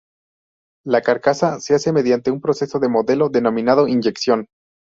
La carcasa se hace mediante un proceso de moldeo denominado: inyección.